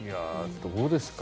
どうですか？